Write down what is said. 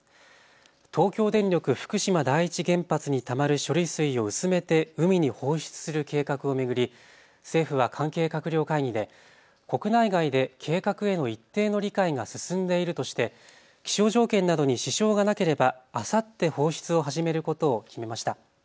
東京電力福島第一原発にたまる処理水を薄めて海に放出する計画を巡り政府は関係閣僚会議で国内外で計画への一定の理解が進んでいるとして気象条件などに支障がなければあさって放出を始めることを決めました。